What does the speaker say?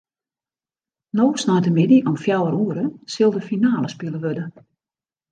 No sneintemiddei om fjouwer oere sil de finale spile wurde.